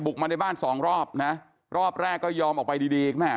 มาในบ้านสองรอบนะรอบแรกก็ยอมออกไปดีดีแม่